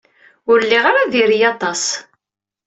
Ur lliɣ ara diri-iyi aṭas.